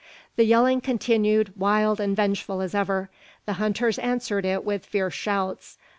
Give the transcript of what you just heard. The yelling continued wild and vengeful as ever. The hunters answered it with fierce shouts.